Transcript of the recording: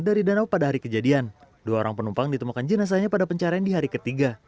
dua orang penumpang ditemukan jenazahnya pada pencarian di hari ketiga